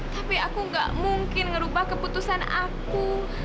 tapi aku gak mungkin ngerubah keputusan aku